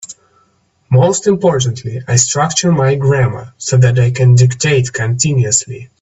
Most importantly, I structure my grammar so that I can dictate continuously.